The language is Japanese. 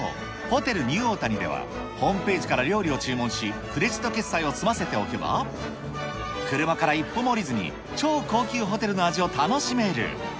ホテルニューオータニでは、ホームページから料理を注文し、クレジット決済を済ませておけば、車から一歩も降りずに、超高級ホテルの味を楽しめる。